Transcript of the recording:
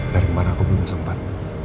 dari kemarin aku belum sempat